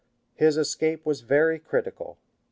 His escape was very critical.